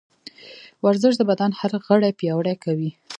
ورزش د بدن هر غړی پیاوړی کوي.